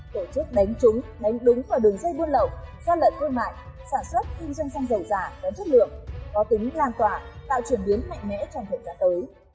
tổ chức đánh trúng đánh đúng vào đường dây buôn lậu